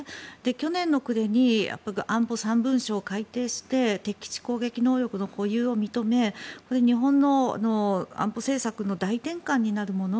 去年の暮れに安保３文書を改訂して敵地攻撃能力の保有を認め日本の安保政策の大転換になるもの